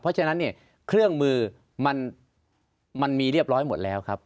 เพราะฉะนั้นเนี่ยเครื่องมือมันมีเรียบร้อยหมดแล้วครับ